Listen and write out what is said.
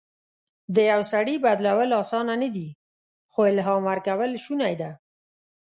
د یو سړي بدلول اسانه نه دي، خو الهام ورکول شونی ده.